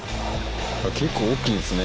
結構大きいんですね